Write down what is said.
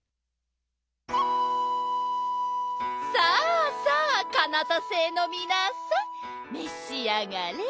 さあさあカナタ星のみなさんめしあがれ。